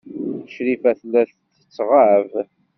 Crifa tella tettɣab.